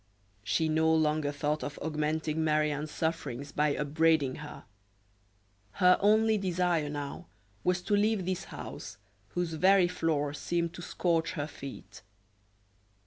She no longer thought of augmenting Marie Anne's sufferings by upbraiding her. Her only desire now was to leave this house, whose very floor seemed to scorch her feet.